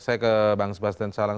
saya ke bang sebastian salang